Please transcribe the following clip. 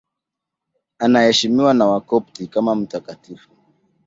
Anaheshimiwa na Wakopti kama mtakatifu.